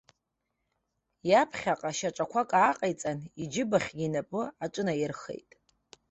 Иаԥхьаҟа шьаҿақәак ааҟаиҵан, иџьыбахьгьы инапы аҿынаирхеит.